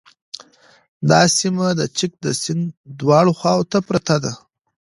دا سیمه د چک د سیند دواړو خواوو ته پراته دي